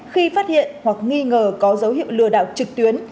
khi phát hiện hoặc nghi ngờ có dấu hiệu lừa đảo trực tuyến